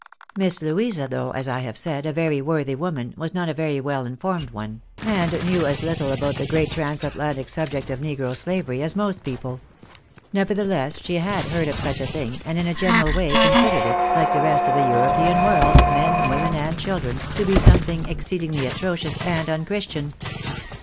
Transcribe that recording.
Miss Louisa, though, as I have said, a very worthy woman, was not a very well informed one, and knew as little about the great transatlantic subject of negro slavery as most people. Nevertheless she had heard of such a thing, and in a general way considered it, like the rest of the European world, men, women, and children, to be something exceedingly atrocious and unchristian.